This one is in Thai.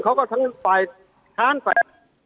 เขาก็เนื้อฝ่ายถ้านไป